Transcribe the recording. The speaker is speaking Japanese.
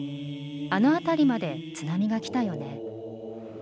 「あの辺りまで津波が来たよね」。